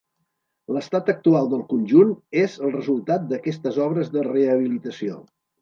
L'estat actual del conjunt és el resultat d'aquestes obres de rehabilitació.